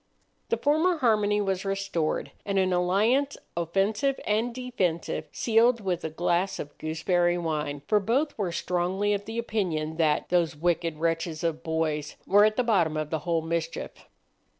The former harmony was restored, and an alliance, offensive and defensive, sealed with a glass of gooseberry wine, for both were strongly of the opinion that "those wicked wretches of boys" were at the bottom of the whole mischief.